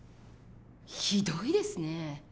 ひどいですね。